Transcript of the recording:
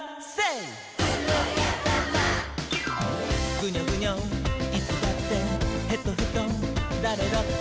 「グニョグニョいつだってヘトヘトだれだって」